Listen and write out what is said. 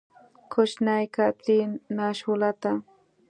کوچنۍ کاترین، ناشولته!